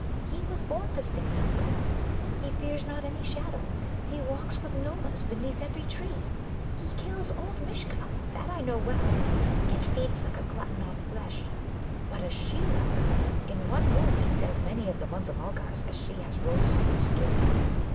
He was born to stand upright. He fears not any shadow. He walks with Nōōmas beneath every tree. He kills, old Mishcha that I know well and feeds like a glutton on flesh. But a she leopard in one moon eats as many of the Munza mulgars as she has roses on her skin.